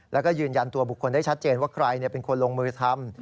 แล้วก็ยืนยันตัวบุคคลได้ชัดเจนว่าใครเป็นคนลงมือทำ